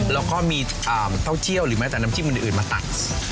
แล้วก็มีเต้าเจี่ยวหรือแม้แต่น้ำจิ้มอื่นมาตัก